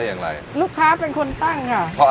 สวัสดีครับ